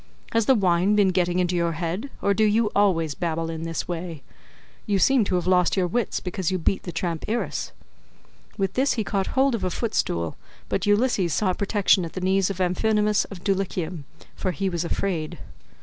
Has the wine been getting into your head or do you always babble in this way? You seem to have lost your wits because you beat the tramp Irus." With this he caught hold of a footstool, but Ulysses sought protection at the knees of Amphinomus of Dulichium, for he was afraid.